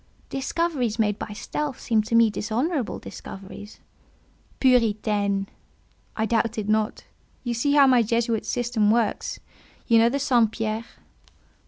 "Discoveries made by stealth seem to me dishonourable discoveries." "Puritaine! I doubt it not. Yet see how my Jesuit's system works. You know the St. Pierre?"